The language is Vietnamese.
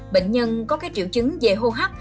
bệnh nhân có các triệu chứng về hô hấp